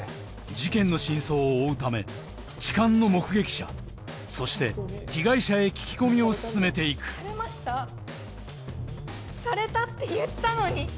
事件の真相を追うため痴漢の目撃者そして被害者へ聞き込みを進めて行くされたって言ったのに。